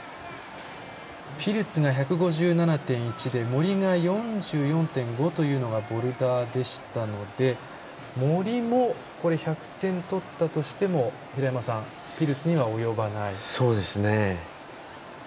ピルツが１５７．１で森が４４．５というのがボルダーでしたので森も１００点取ったとしてもピルツには及ばない。